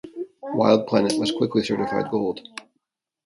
"Wild Planet" was quickly certified gold.